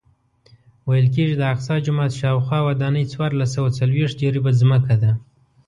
ویل کېږي د اقصی جومات شاوخوا ودانۍ څوارلس سوه څلوېښت جریبه ځمکه ده.